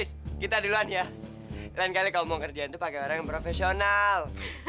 liz kita duluan ya lain kali kau mau kerjaan tuh pakai orang yang profesional